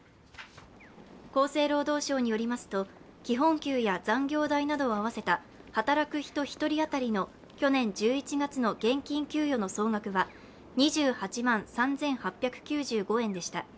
厚生労働省によりますと基本給や残業代などを合わせた働く人１人当たりの去年１１月の現金給与の総額は２８万３８９５円でした。